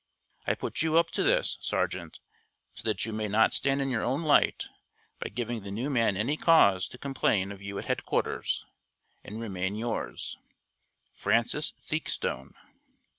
I put you up to this, sergeant, so that you may not stand in your own light by giving the new man any cause to complain of you at headquarters, and remain yours, FRANCIS THEAKSTONE.